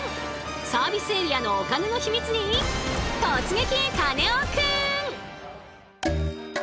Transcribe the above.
サービスエリアのお金のヒミツに突撃！